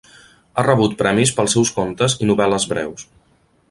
Ha rebut premis pels seus contes i novel·les breus.